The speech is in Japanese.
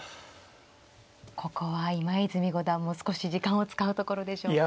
ここは今泉五段も少し時間を使うところでしょうか。